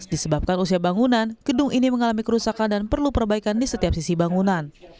disebabkan usia bangunan gedung ini mengalami kerusakan dan perlu perbaikan di setiap sisi bangunan